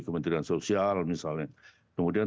kementerian sosial misalnya kemudian